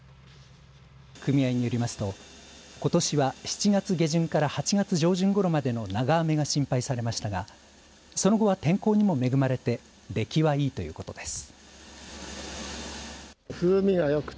組合によりますとことしは７月下旬から８月上旬ごろまでの長雨が心配されましたがその後は天候にも恵まれて出来はいいということです。